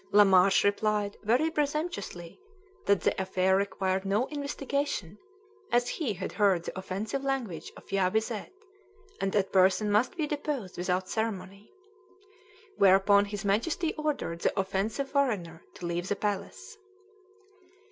Lamarche replied, very presumptuously, that the affair required no investigation, as he had heard the offensive language of Phya Wiset, and that person must be deposed without ceremony. Whereupon his Majesty ordered the offensive foreigner to leave the palace.